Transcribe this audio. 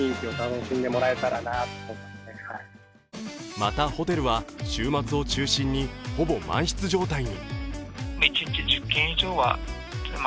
また、ホテルは週末を中心にほぼ満室状態に。